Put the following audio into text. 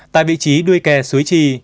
tại vị trí đuôi kè suối trì